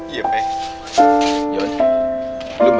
iya pak jon lo baik mak